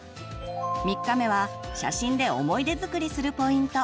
３日目は写真で思い出づくりするポイント。